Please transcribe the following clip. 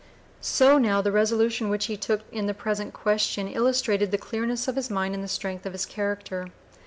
So now the resolution which he took in the present question illustrated the clearness of his mind and the strength of his character.